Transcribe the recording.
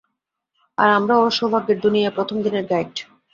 আর আমরা ওর সৌভাগ্যের দুনিয়ার প্রথম দিনের গাইড।